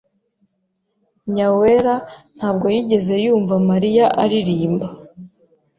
Nyawera ntabwo yigeze yumva Mariya aririmba.